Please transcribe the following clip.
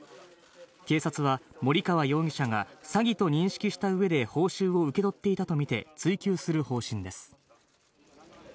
警察は、森川容疑者が詐欺と認識したうえで報酬を受け取っていたと見て、追及する方針です。